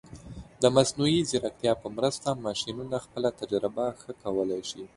د مصنوعي ځیرکتیا په مرسته، ماشینونه خپله تجربه ښه کولی شي.